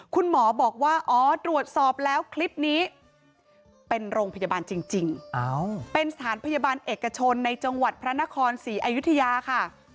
คุณหมอบอกว่าอ๋อตรวจสอบแล้วคลิปนี้เป็นโรงพยาบาลจริงเป็นสถานพยาบาลเอกชนในจังหวัดพระนครศรีอยุธยาค่ะ